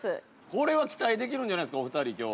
◆これは期待できるんじゃないですか、お二人、きょう。